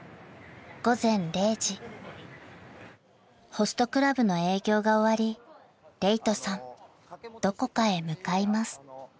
［ホストクラブの営業が終わり礼人さんどこかへ向かいます］